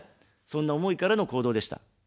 そんな思いからの行動でした。